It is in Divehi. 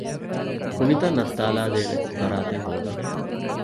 ކުނިތައް ނައްތާލައިދޭނެ ފަރާތެއް ހޯދަން